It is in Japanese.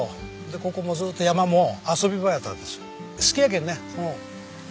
ここもずっと山も遊び場やったんです。